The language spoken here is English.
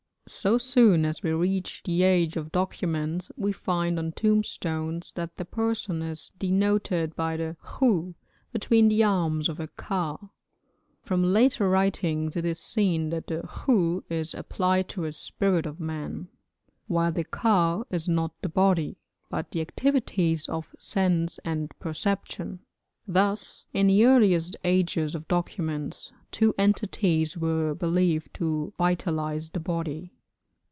So soon as we reach the age of documents we find on tombstones that the person is denoted by the khu between the arms of the ka. From later writings it is seen that the khu is applied to a spirit of man; while the ka is not the body but the activities of sense and perception. Thus, in the earliest age of documents, two entities were believed to vitalise the body.